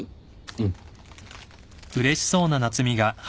うん。